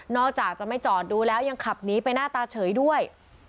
จากจะไม่จอดดูแล้วยังขับหนีไปหน้าตาเฉยด้วย